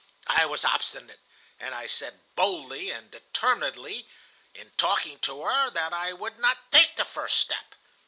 I was obstinate, and I said boldly and determinedly, in talking to her, that I would not take the first step.